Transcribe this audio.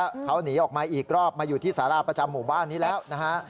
แล้วเขาหนีออกมาอีกรอบมาอยู่ที่สาราประจำหมู่บ้านนี้แล้วนะฮะ